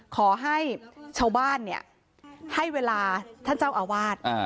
ขอให้ชาวบ้านให้เวลาท่านเจ้าอาวาส